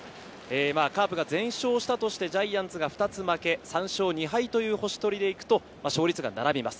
カープが全勝したとして、ジャイアンツが２つ負け、３勝２敗という星取りでいくと、勝率が並びます。